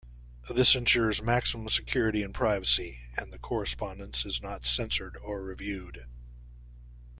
This ensures maximum security and privacy and the correspondence is not censored or reviewed.